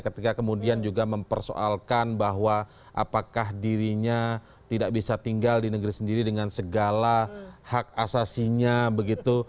ketika kemudian juga mempersoalkan bahwa apakah dirinya tidak bisa tinggal di negeri sendiri dengan segala hak asasinya begitu